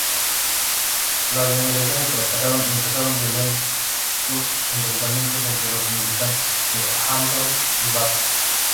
Las negociaciones fracasaron y empezaron violentos enfrentamientos entre los militantes de Hamas y Fatah.